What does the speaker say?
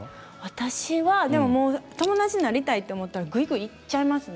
私は友達になりたいと思ったらぐいぐいいっちゃいますね。